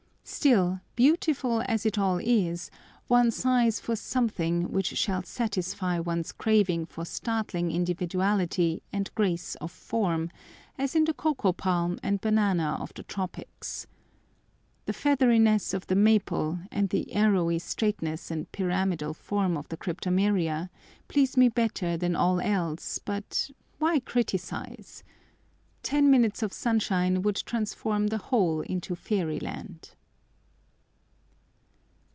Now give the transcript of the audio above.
Still, beautiful as it all is, one sighs for something which shall satisfy one's craving for startling individuality and grace of form, as in the coco palm and banana of the tropics. The featheriness of the maple, and the arrowy straightness and pyramidal form of the cryptomeria, please me better than all else; but why criticise? Ten minutes of sunshine would transform the whole into fairyland.